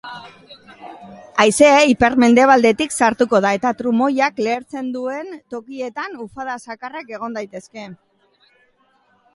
Haizea ipar-mendebaldetik sartuko da eta trumoiak lehertzen duen tokietan ufada zakarrak egon daitezke.